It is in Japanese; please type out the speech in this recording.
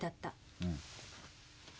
うん。